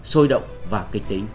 sôi động và kịch tính